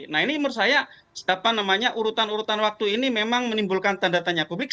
nah ini menurut saya urutan urutan waktu ini memang menimbulkan tanda tanya publik